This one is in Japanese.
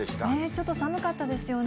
ちょっと寒かったですよね。